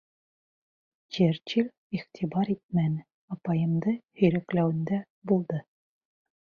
Черчилль иғтибар итмәне, апайымды һөйрәкләүендә булды.